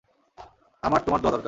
আমার তোমার দোয়া দরকার।